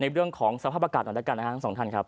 ในเรื่องของสภาพอากาศหน่อยด้วยกันนะครับ